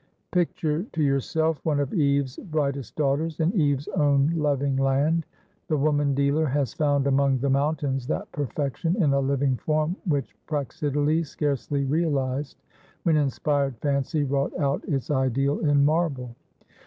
"Picture to yourself one of Eve's brightest daughters, in Eve's own loving land. The woman dealer has found among the mountains that perfection in a living form which Praxiteles scarcely realized, when inspired fancy wrought out its ideal in marble.